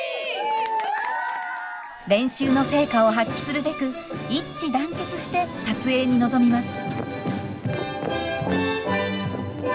練習の成果を発揮するべく一致団結して撮影に臨みます。